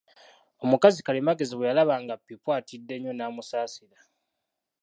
Omukazi Kalimagezi bwe yalaba nga Pipu atidde nnyo n'amusaasira.